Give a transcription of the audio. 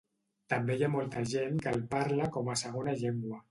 També hi ha molta gent que el parla com a segona llengua.